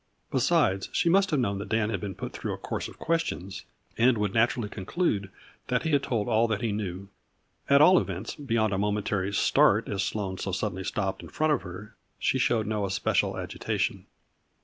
Be sides, she must have known that Dan had been put through a course of questions, and would naturally conclude that he had told all that he knew. At all events, beyond a momentary start as Sloane so suddenly stopped in front of her, she showed no especial agitation.